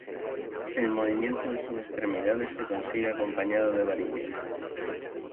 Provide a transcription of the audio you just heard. El movimiento de sus extremidades se consigue acompañado de varillas.